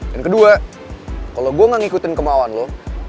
dan kedua kalo gue gak ngikutin kemauan lo